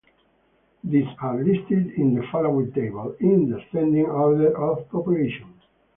These are listed in the following table, in descending order of population.